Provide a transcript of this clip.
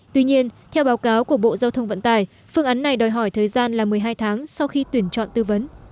tuy nhiên theo báo cáo của bộ giao thông vận tải phương án này đòi hỏi thời gian là một mươi hai tháng sau khi tuyển chọn tư vấn